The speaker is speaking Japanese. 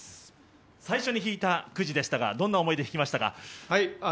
最初に引いたくじでしたが、どんな思いで引きましたか？